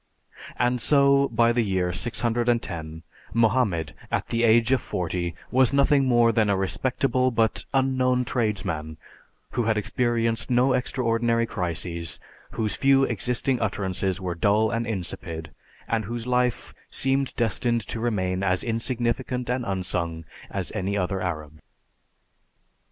And so, by the year 610, Mohammed, at the age of forty, was nothing more than a respectable but unknown tradesman who had experienced no extraordinary crises, whose few existing utterances were dull and insipid, and whose life seemed destined to remain as insignificant and unsung as any other Arab's.